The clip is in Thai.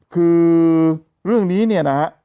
คือเรื่องนี้เนี่ยนะฮะ